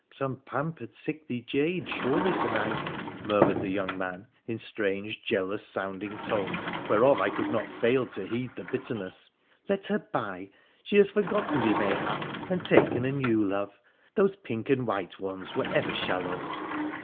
' Some pampered, sickly jade, surely, Sir Knight,' mur mured the young man in strange jealous sounding tones whereof I could not fail to heed the bitterness ;' let her by, she has forgotten thee mayhap, and taken a new love — those pink and white ones were ever shallow